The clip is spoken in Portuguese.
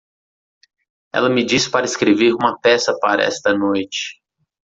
Ela me disse para escrever uma peça para esta noite.